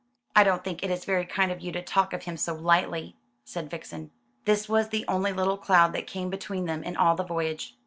"I don't think it is very kind of you to talk of him so lightly," said Vixen. This was the only little cloud that came between them in all the voyage.